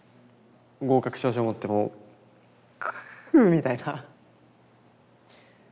合格証書持ってもう「くう」みたいな。